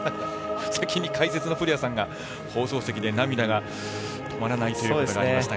先に解説の古屋さんが放送席で涙が止まらないということがありましたが。